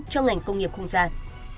cho ngành công nghiệp không gian